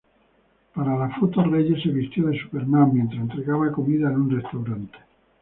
Para la foto, Reyes se vistió de Superman mientras entregaba comida en un restaurante.